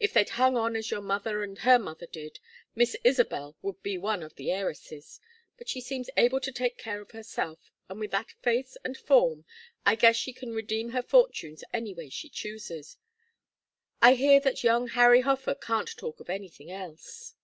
If they'd hung on as your mother and her mother did, Miss Isabel would be one of the heiresses. But she seems able to take care of herself, and with that face and form, I guess she can redeem her fortunes any way she chooses. I hear that young Harry Hofer can't talk of anything else."